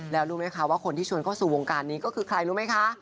แล้วรู้ไหมคะว่าคนที่ชวนเข้าสู่วงการนี้ก็คือใครรู้ไหมคะ